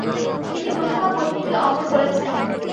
তিনি প্রথমা পত্নীকে অমর করেছেন।